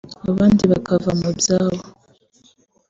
abandi bakava mu byabo